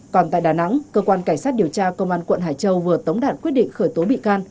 còn tại đà nẵng cơ quan cảnh sát điều tra công an quận hải châu vừa tống đạt quyết định khởi tố bị can